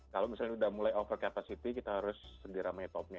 kalau misalnya udah mulai over capacity kita harus sendiri ramai topnya